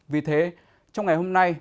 vì thế trong ngày hôm nay